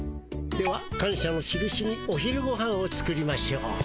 では感しゃのしるしにお昼ごはんを作りましょう。